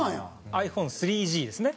ｉＰｈｏｎｅ３Ｇですね。